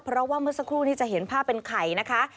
เพราะว่าเมื่อสักครู่นี้จะเห็นภาพเป็นไข่นะคะ